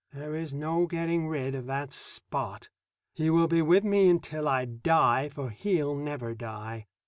There is no getting rid of that Spot. He will be with me until I die, for he'll never die.